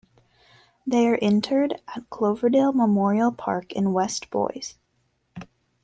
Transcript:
They are interred at Cloverdale Memorial Park in west Boise.